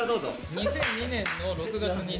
２００２年の６月２７。